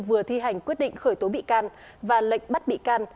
vừa thi hành quyết định khởi tố bị can và lệnh bắt bị can